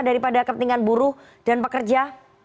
daripada kepentingan buruh dan pekerja